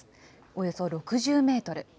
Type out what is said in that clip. およそ６０メートル。